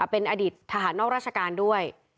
เป็นอดีตทหารนอกราชการด้วย